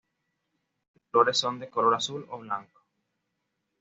Las flores son de color azul o blanco.